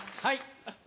はい。